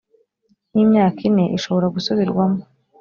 n imyaka ine ishobora gusubirwamo